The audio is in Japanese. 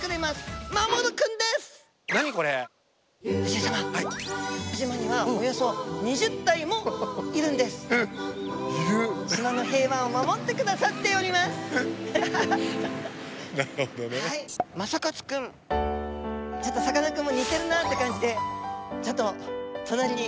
スタジオちょっとさかなクンも似てるなって感じでちょっと隣に。